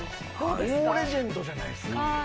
レジェンドじゃないですか。